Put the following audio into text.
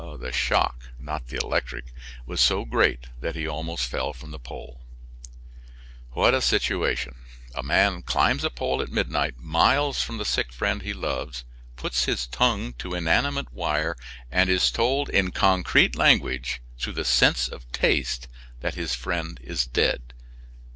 The shock (not the electric) was so great that he almost fell from the pole. What a situation! A man climbs a pole at midnight miles from the sick friend he loves, puts his tongue to inanimate wire, and is told in concrete language through the sense of taste that his friend is dead.